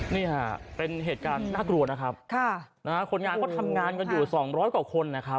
นี่ฮะเป็นเหตุการณ์น่ากลัวนะครับคนงานเขาทำงานกันอยู่สองร้อยกว่าคนนะครับ